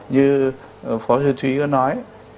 như phó thư thúy có nói